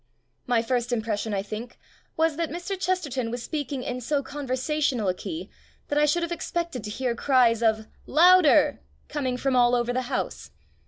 My first impression, I think, was that Mr. Chesterton was speaking in so conversational a key that I should have expected to hear cries of "Loud er!" coming from all over the house.